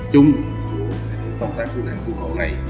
chung của công tác cứu nạn cứu hậu này